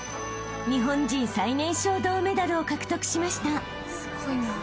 ［日本人最年少銅メダルを獲得しました］